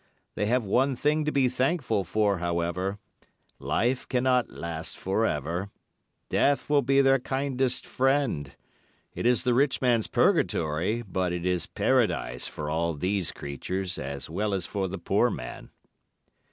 They have one thing to be thankful for, however—life cannot last for ever. Death will be their kindest friend. It is the rich man's purgatory, but it is Paradise for all these creatures as well as for the poor man."